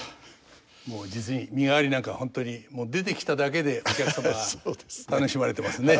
もう実に「身替」なんかは本当にもう出てきただけでお客様が楽しまれてますね。